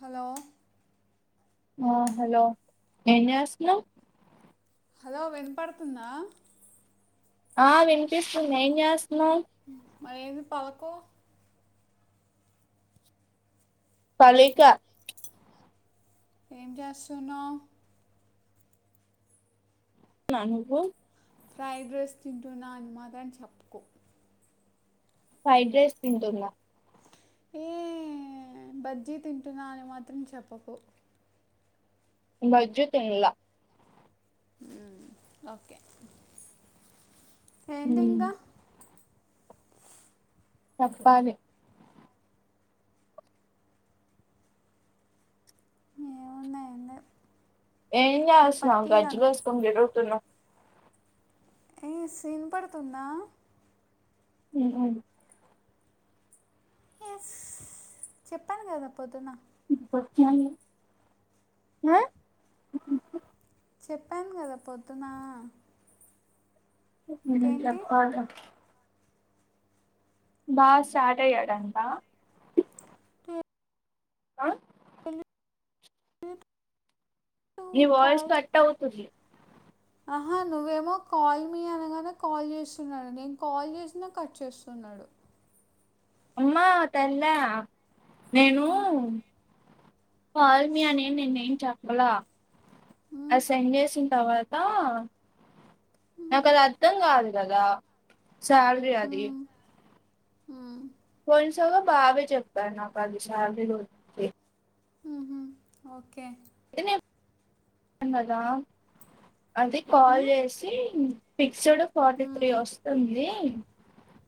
Hello ఆ hello ఏం చేస్నవ్ హలో వినపడతుందా ఆ వినిపిస్తుంది ఏం చేస్తన్నావ్ మరేంది పలకవ్ పలికా ఏం చేస్తున్నావ్ నా నువ్వు ఫ్రైడ్ రైస్ తింటున్నా అని మాత్రం చెప్పకో ఫ్రైడ్ రైస్ తింటున్నా ఏ బజ్జీ తింటున్నా అని మాత్రం చెప్పకు బజ్జీ తిన్లా ఊ ఓకే ఉమ్, ఎంటింకా చెప్పాలి ఏమున్నాయి ఏంది? ఏం నీ చేస్తునావ్ పట్టీలు అనుకో గజ్జలేసుకొని తిరుగుతున్నా ఏ సీన్ పతున్నా ఊ అను ఎస్ చెప్పాను కదా పొద్దున్న ఆ చెప్పాను కదా పొద్దున్న ఏం చెప్పాలే బా స్టార్ట్ అయ్యాడంటా ఆ నీ వాయిస్ కాల్ కట్ అవుతుంది ఆహా నువ్వేమో కాల్ మీ అనగానే కాల్ చేస్తున్నాడు, నేను కాల్ చేసినా కట్ చేస్తున్నాడు. అమ్మా తల్లే నేను హ్మ్. కాల్ మీ అనేం నేనేమి చెప్పల ఆ హ్మ్. సెండ్ చేసి తర్వాతా నాకదర్థం కాదు కదా శాలురీ అది ఊ పోయినసాగీ బావే చెప్పాడు నాకది శాలరీ గురించి ఉహు ఓకే [inaudible] అది కాల్ చేసి ఫిక్స్డ్ ఫార్టీ త్రీ హ్మ్. వస్తుంది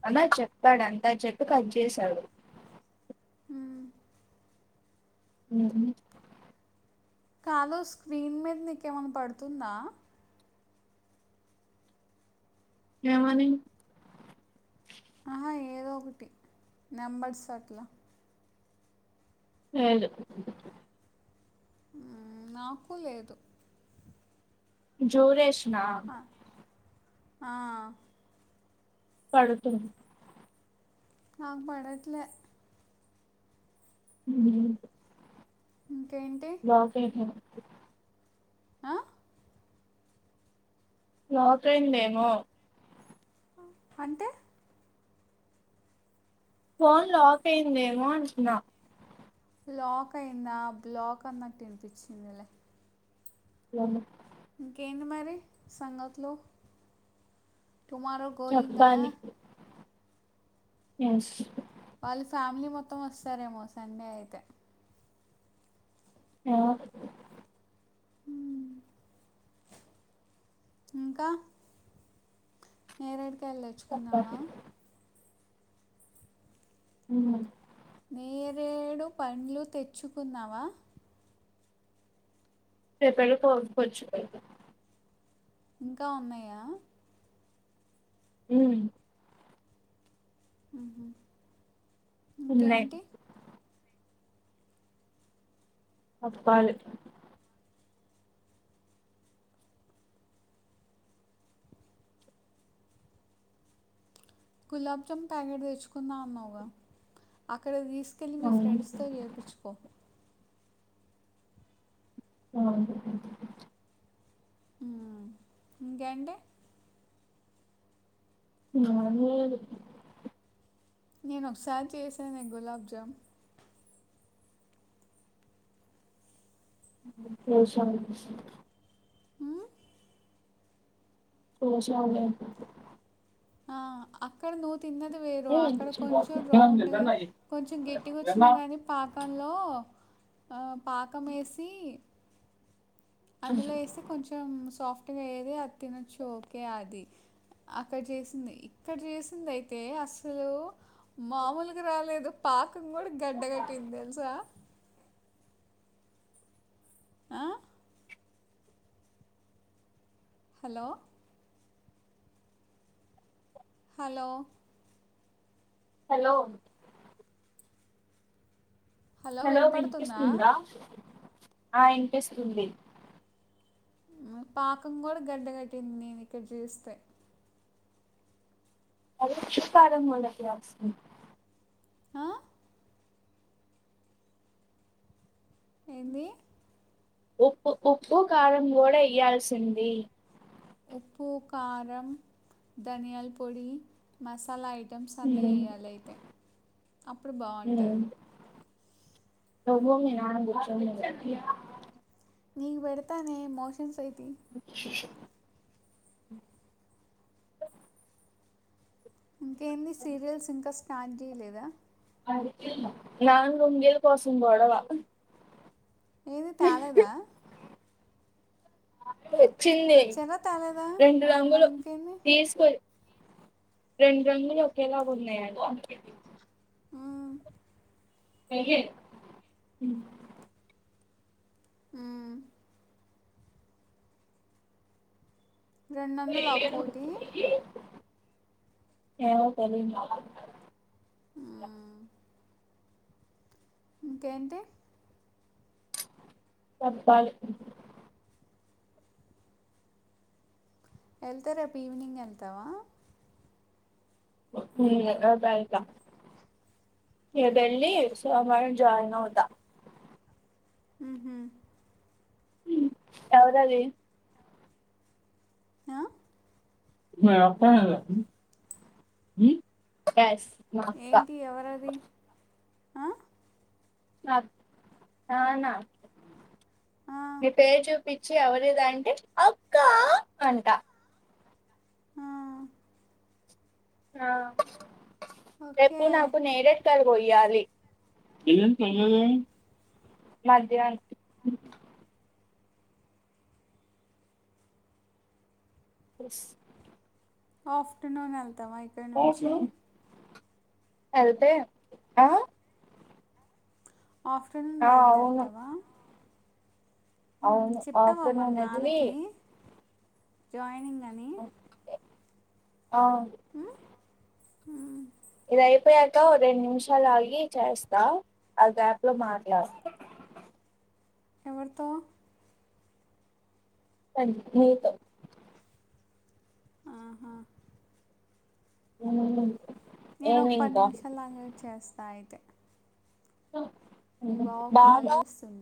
అలా చెప్పాడు అంతా చెప్పి కట్ చేసాడు ఆ ఉ కాదు స్క్రీన్ మీద నీకేమన్న పడుతుందా ఏమని ఆహా ఏదోకటి నెంబర్స్ అట్లా ఏదు ఆ నాకు లేదు జ్యూరేషనా ఆ పడుతుం నాకు పడట్లే ఊ ఇంకేంటి లాక్ అయిందేమో ఆ లాక్ అయిందేమో అంటే ఫోన్ లాక్ అయిందేమో అంటున్నా లాక్ అయిందా బ్లాక్ అన్నట్టు వినిపించిందిలే అ ఇంకేంది మరి సంగతులో టుమారో గోయింగ్ చెప్పలి ఎస్ వాళ్ళు ఫ్యామిలీ మొత్తం వస్తారేమో సండే అయితే ఆ ఉమ్ ఇంకా నేరడు కాయలు తెచ్చుకుందామా చెప్పాలి అ నేరేడు పండ్లు తెచ్చుకున్నావా రేపుపడుర్చపో [unintelligible] ఇంకా ఉన్నాయా ఉ ఉహు ఉన్నాయి ఇంకేంటి చెప్పాలి గులాబ్ జామ్న్ ప్యాకెట్ తెచ్చుకున్నా అన్నాగా అక్కడ తీసు కెలి మీ అవును. ఫ్రెండ్స్ తో చేపిచ్చుకో ఉ ఉమ్ ఇంకేంటి నార్మలే నేను ఒకసారి చేసాను గులాబ్ జామ్న్ చూసాం లే హ చూసాం లే ఆ అక్కడ ను తిన్నది వేరు అక్కడ కొంచెం రౌండ్ గా కొంచెం గట్టిగా వచ్చిన కానీ పకంలో పాకం వేసి అందులో వేస్తే కొంచెం సాఫ్ట్గా అయేది అది తినొచ్చు ఓకే అది అక్కడ చేసింది ఇక్కడ చేసింది అయితే అసలు మామూలుగా రాలేదు పాకం కూడా గడ్డగట్టింది తెలుసా ఆ హలో హలో హలో హలో వినిపిస్తుందా పాకం కూడా గడ్డ కట్టింది నేను ఇక్కడ చేస్తే అదక్షకారం మలక అస్ [unintelligible] హా ఏంది ఉప్పు ఉప్పు కారం కూడా ఇయ్యాల్సింది ఉప్పు కారం ధనియాల్ పొడి మసాలా ఐట్ టమ్స్ అన్నీ వేయాలి అయితే అప్పుడు బాగుంటుంది నువ్వు మీ నాన్న కూర్చుని తినండి నీక్ పెడతానేే మోషన్స్ యితే శషం ఇంకేంది సీరియల్స్ ఇంకా స్టార్ట్ చేయలేదా నాన్న లుంగి ల కోసం గొడవ ఏది తాలేదా తెచ్చింది తెచ్చారా తేలేదా రెండు ఆ, మరి రంగులు ఇంకేంది తీసుకొ రెండు రంగులు ఒకేలాగా ఉన్నాయంట ఉ ఐఏ ఉ ఉ రెండు వందల ఒక్కోటి ఏమో తెలీదు ఉ ఇంకేంటి చప్పాలి ఎల్తే రేప్ ఈవినింగ్ ఎళ్తావా ఉ రేపు ఎళ్తా రేప్ ఎల్లి సోమవారం జాయిన్ అవుతా ఉహు ఉ ఎవరది ఆ? నేనొత్తనాలే ఉ ఉ గ్యాస్ ఏంటి ఎవరది ఆ నా నాన్న ఆ, మీ పేర్ చోప్ పిచ్చి ఎవరది అంటే అక్క అంట ఆ, ఆ ఓకే రేపు నాకు నేరేడు కాయల్ కోయ్యాలి పిల్లలు పోయినారా మ్మ్. మధ్యక్ ఎస్ ఆఫ్టర్నూన్ ఎళ్తావా ఇక్కడ నుంచి ఎల్తే ఆ ఆఫ్టర్నూన్ ఆ, అవును బయలుదేరుతావా ఉ అవును చెప్పావా మన్ ఆఫ్టర్నూన్ వెళ్ళి నాన్నకి జాయినింగ్ అని ఓకే ఆ ఉ ఇది అయిపోయాక రెండు నిమిషాలు ఆగి చేస్తా ఆ గ్యాప్ లో మాట్లా ఎవరు తో కన్ నీతో ఆహా ఉ నేను ఒక్ పది నిమిషల్లాగా చేస్తా అయితే మీ బావ్ కాల్ బాగా చేస్తుండు